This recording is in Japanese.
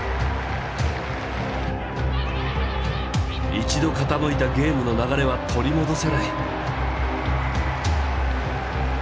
一度傾いたゲームの流れは取り戻せない。